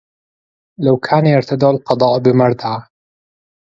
لو كان يرتدع القضاء بمردع